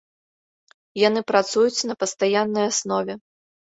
Яны працуюць на пастаяннай аснове.